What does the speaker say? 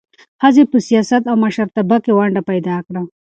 ښځې په سیاست او مشرتابه کې ونډه پیدا کړه.